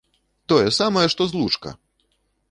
Тое самае, што злучка!